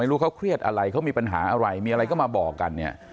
รู้เขาเครียดอะไรเขามีปัญหาอะไรมีอะไรก็มาบอกกันเนี่ย